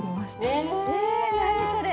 え何それ？